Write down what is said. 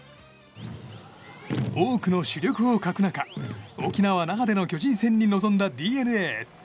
多くの主力を欠く中沖縄・那覇での巨人戦に臨んだＤｅＮＡ。